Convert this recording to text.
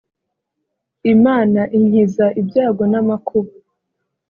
Imana inkiza ibyago n’amakuba